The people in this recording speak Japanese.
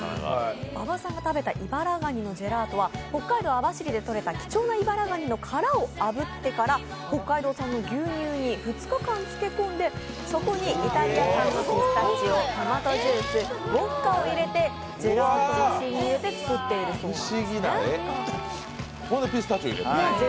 馬場さんが食べたイバラガニのジェラートは北海道・網走でとれた貴重なイバラガニの殻をあぶってから北海道産の牛乳に２日間漬け込んでそこにイタリア産のピスタチオ、トマトジュース、ウオッカを入れてジェラートマシンに入れて作っているそうです。